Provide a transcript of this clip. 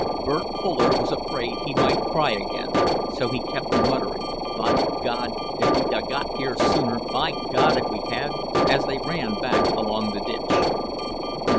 Bert Fuller was afraid he might cry again, so he kept muttering, "By God, if we'd a got here sooner, by God if we had!" as they ran back along the ditch.